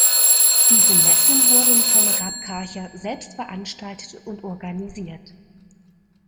Diese Messen wurden von Raab Karcher selbst veranstaltet und organisiert.